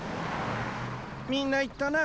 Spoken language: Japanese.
みんないったな。